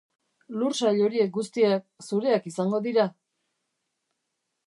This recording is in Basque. Lur sail horiek guztiak zureak izango dira.